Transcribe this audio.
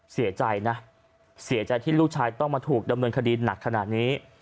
เสียใจนะเสียใจที่ลูกชายต้องมาถูกดำเนินคดีหนักขนาดนี้